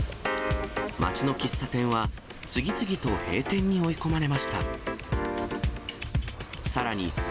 街の喫茶店は次々と閉店に追い込まれました。